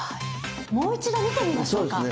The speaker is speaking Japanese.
もう一度見てみましょうか？